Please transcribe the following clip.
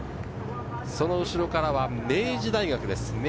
その後からは明治大学です。